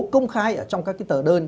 công khai trong các tờ đơn